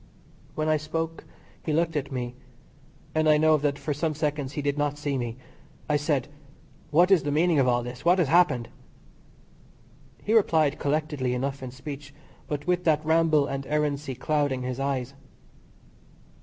When I spoke he looked at me, and I know that for some seconds he did not see me. I said: "What is the meaning of all this? What has happened?" He replied collectedly enough in speech, but with that ramble and errancy clouding his eyes.